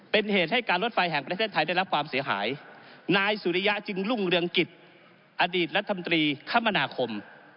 เป็นเหตุให้การรถไฟแห่งประเทศไทยได้รับความเสียหายนายสุริยะจึงรุ่งเรืองกิจอดีตรัฐมนตรีคมนาคม